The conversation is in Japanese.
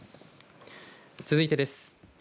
続いてです。